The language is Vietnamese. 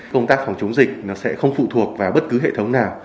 công tác phòng chống dịch nó sẽ không phụ thuộc vào bất cứ hệ thống nào